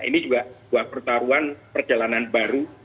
ini juga sebuah pertaruhan perjalanan baru